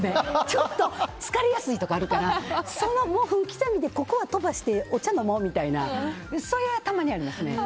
ちょっと疲れやすいとかあるから分刻みでここは飛ばしてお茶飲もうみたいなそういうのは、たまにあります。